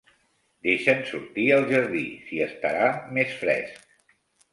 Deixa'ns sortir al jardí; s'hi estarà més fresc.